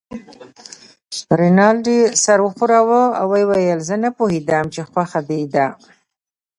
رینالډي سر و ښوراوه او ویې ویل: زه نه پوهېدم چې خوښه دې ده.